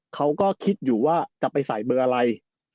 เขาก็คิดอยู่ว่าจะไปใส่เบอร์อะไร